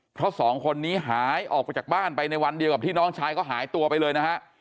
เพราะสองคนนี้หายออกไปจากบ้านไปในวันเดียวกับที่น้องชายเขาหายตัวไปเลยนะฮะ